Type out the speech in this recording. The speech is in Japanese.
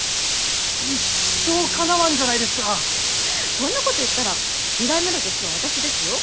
そんなこと言ったら２代目の助手は私ですよ。